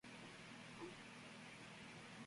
Desde los ochenta destacan Coco Montoya y Walter Trout.